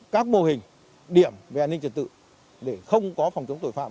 các mô hình điểm về an ninh trật tự để không có phòng chống tội phạm